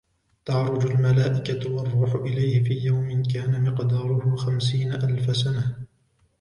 تعرج الملائكة والروح إليه في يوم كان مقداره خمسين ألف سنة